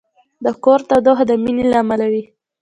د کور تودوخه د مینې له امله وي.